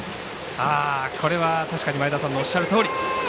これは確かに前田さんのおっしゃるとおり。